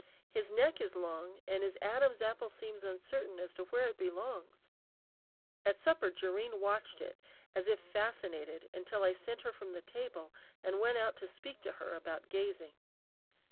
His neck is long and his Adam's apple seems uncertain as to where it belongs. At supper Jerrine watched it as if fascinated until I sent her from the table and went out to speak to her about gazing.